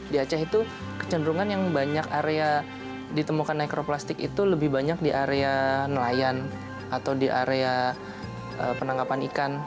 di aceh itu kecenderungan yang banyak area ditemukan mikroplastik itu lebih banyak di area nelayan atau di area penangkapan ikan